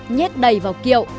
nhét đầy vào kiệu